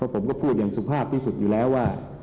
ผมก็พูดอย่างสุภาพที่สุดอยู่แล้วว่า